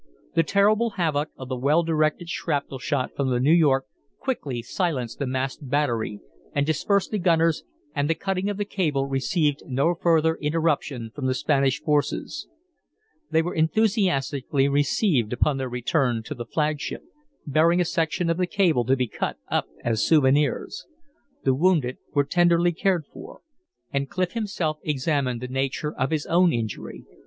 The terrible havoc of the well directed shrapnel shot from the New York quickly silenced the masked battery and dispersed the gunners and the cutting of the cable received no further interruption from the Spanish forces. They were enthusiastically received upon their return to the flagship, bearing a section of the cable to be cut up as souvenirs. The wounded were tenderly cared for, and Clif himself examined the nature of his own injury.